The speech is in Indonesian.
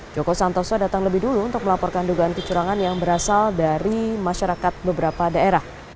joko santoso datang lebih dulu untuk melaporkan dugaan kecurangan yang berasal dari masyarakat beberapa daerah